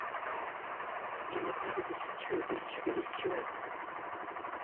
Le moteur était situé au-dessus de l'essieu avant.